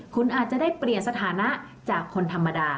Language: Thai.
คุณอาจจะได้เปลี่ยนสถานะจากคนธรรมดา